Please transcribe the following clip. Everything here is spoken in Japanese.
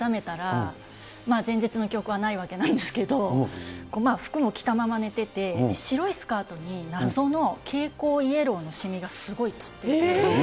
私はなんか、ある日目覚めたら、前日の記憶はないわけなんですけど、服も着たまま寝てて、白いスカートに謎の蛍光イエローの染みがすごいついてて。